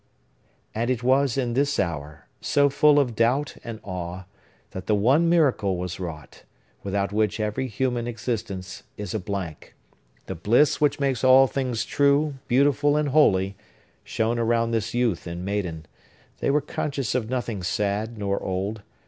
And it was in this hour, so full of doubt and awe, that the one miracle was wrought, without which every human existence is a blank. The bliss which makes all things true, beautiful, and holy shone around this youth and maiden. They were conscious of nothing sad nor old.